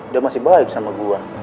dia masih baik sama gua